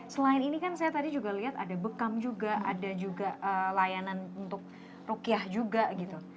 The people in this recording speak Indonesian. selain ini kan saya tadi juga lihat ada bekam juga ada juga layanan untuk rukiah juga gitu